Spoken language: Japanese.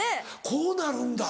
こうなるんだ。